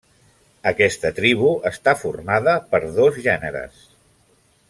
Aquesta tribu està formada per dos gèneres.